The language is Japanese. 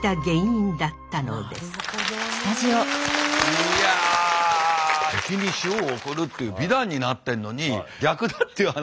いや「敵に塩を送る」っていう美談になってんのに逆だっていう話。